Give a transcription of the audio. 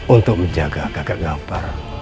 untuk menjaga kakak ngampar